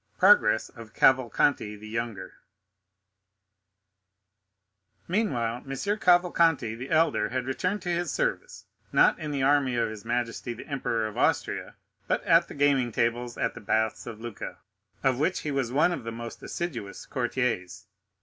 Progress of Cavalcanti the Younger Meanwhile M. Cavalcanti the elder had returned to his service, not in the army of his majesty the Emperor of Austria, but at the gaming table of the baths of Lucca, of which he was one of the most assiduous courtiers.